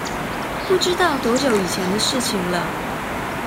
不知道多久以前的事情了